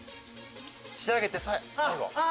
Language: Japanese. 仕上げて最後。